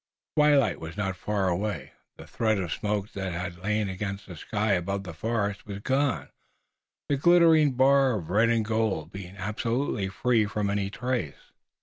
Twilight was not far away. The thread of smoke that had lain against the sky above the forest was gone, the glittering bar of red and gold being absolutely free from any trace.